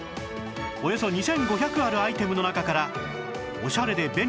およそ２５００あるアイテムの中からオシャレで便利！